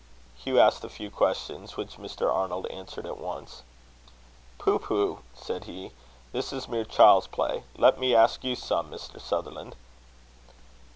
Hugh asked a few questions, which Mr. Arnold answered at once. "Pooh! pooh!" said he, "this is mere child's play. Let me ask you some, Mr. Sutherland."